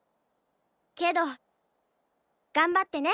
けど頑張ってね！